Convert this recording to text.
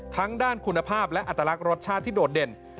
ทั้งด้านคุณภาพและอัตลักษณ์รสชาติที่โดดเด่น